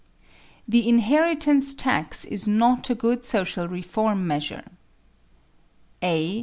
THE INHERITANCE TAX IS NOT A GOOD SOCIAL REFORM MEASURE A.